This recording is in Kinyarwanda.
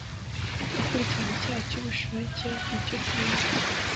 gukurikirana icyaha cy ubushoreke n icyo kizwi